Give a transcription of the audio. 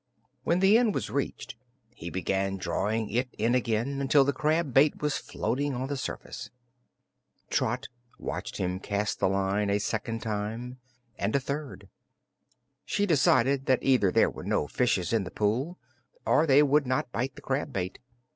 When the end was reached, he began drawing it in again, until the crab bait was floating on the surface. Trot watched him cast the line a second time, and a third. She decided that either there were no fishes in the pool or they would not bite the crab bait.